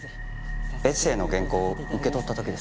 エッセーの原稿を受け取った時です。